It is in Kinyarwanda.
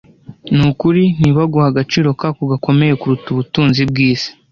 n’ukuri ntibaguhe agaciro kako gakomeye kuruta ubutunzi bw’isi.